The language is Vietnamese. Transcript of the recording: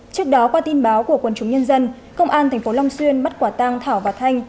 trước đó qua tin báo của quần chúng nhân dân công an thành phố long xuyên bắt quả tang thảo và thanh